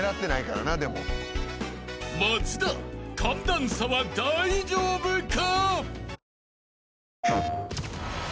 ［松田寒暖差は大丈夫か？］